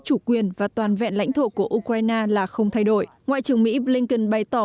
chủ quyền và toàn vẹn lãnh thổ của ukraine là không thay đổi ngoại trưởng mỹ blinken bày tỏ